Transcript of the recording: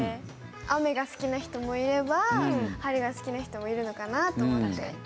雨が好きな人もいれば晴れが好きな人もいるのかなと思って。